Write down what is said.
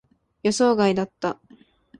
予想外だった。